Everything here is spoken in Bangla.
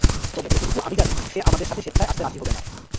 তবে যতটুকু আমি জানি, সে আমাদের সাথে স্বেচ্ছায় আসতে রাজি হবে না।